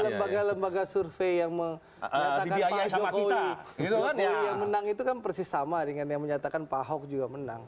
lembaga lembaga survei yang mengatakan pak jokowi yang menang itu kan persis sama dengan yang menyatakan pak ahok juga menang